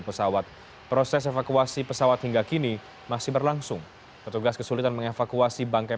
pesawat proses evakuasi pesawat hingga kini masih berlangsung petugas kesulitan mengevakuasi bangkai